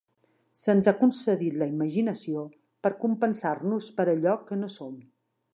Se'ns ha concedit la imaginació per compensar-nos per allò que no som.